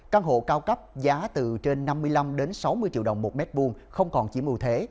căn hộ cao cấp giá từ trên năm mươi năm sáu mươi triệu đồng một mét vuông không còn chỉ ưu thế